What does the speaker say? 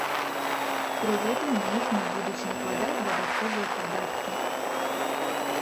Пры гэтым на іх не будуць накладаць дадатковыя падаткі.